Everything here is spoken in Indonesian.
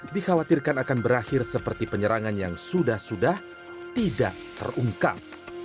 dikhawatirkan akan berakhir seperti penyerangan yang sudah sudah tidak terungkap